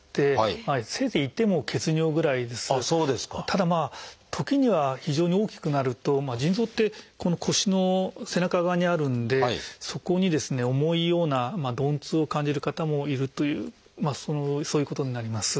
ただ時には非常に大きくなると腎臓ってこの腰の背中側にあるんでそこに重いような鈍痛を感じる方もいるというそういうことになります。